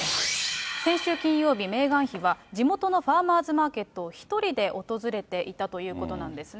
先週金曜日、メーガン妃は、地元のファーマーズマーケットを１人で訪れていたということなんですね。